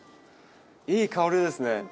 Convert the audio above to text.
いい香りですね。